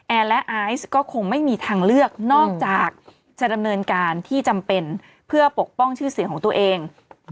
และไอซ์ก็คงไม่มีทางเลือกนอกจากจะดำเนินการที่จำเป็นเพื่อปกป้องชื่อเสียงของตัวเอง